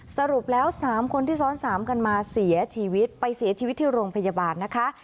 สรุปแล้ว๓คนที่ซ้อนสามกันมาเสียชีวิตไปเสียชีวิตที่โรงพยาบาลนะคะ